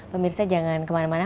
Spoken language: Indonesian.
pemirsa jangan kemana mana